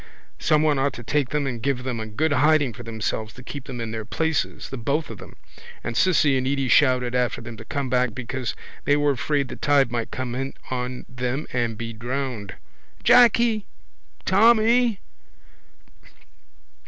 Someone ought to take them and give them a good hiding for themselves to keep them in their places, the both of them. And Cissy and Edy shouted after them to come back because they were afraid the tide might come in on them and be drowned. —Jacky! Tommy!